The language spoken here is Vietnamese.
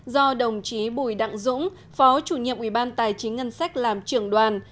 do đồng chí bùi đặng dũng phó chủ nhiệm ủy ban tài chính ngân sách làm trưởng đoàn